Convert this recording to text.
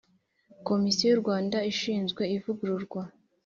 Komisiyo y u rwanda ishinzwe ivugururwa